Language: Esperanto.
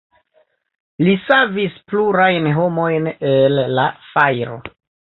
Li savis plurajn homojn el la fajro.